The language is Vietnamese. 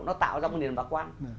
nó tạo ra một nền bạc quan